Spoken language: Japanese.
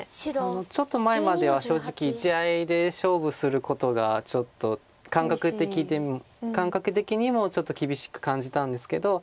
ちょっと前までは正直地合いで勝負することがちょっと感覚的にもちょっと厳しく感じたんですけど。